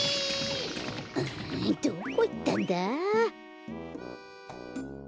うんどこいったんだ？